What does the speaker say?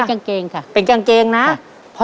ครอบครัวของแม่ปุ้ยจังหวัดสะแก้วนะครับ